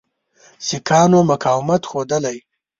سیکهانو مقاومت ښودلی.